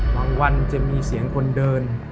วันจะมีเสียงคนเดิน